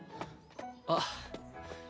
あっ。